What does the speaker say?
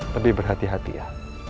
lebih berhati hati ya